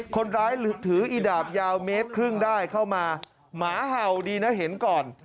คนร้ายถืออีดาบยาวเมตรครึ่งได้เข้ามาหมาเห่าดีนะเห็นก่อน